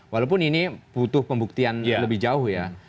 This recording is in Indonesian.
walaupun ini butuh pembuktian lebih jauh ya